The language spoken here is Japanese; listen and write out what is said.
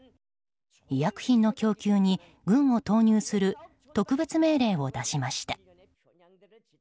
医薬品の供給に軍を投入する特別命令を出しました。